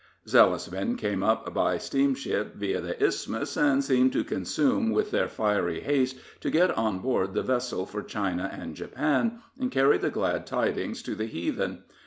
Zealous men came up by steamer via the Isthmus, and seemed to consume with their fiery haste to get on board the vessel for China and Japan, and carry the glad tidings to the heathen.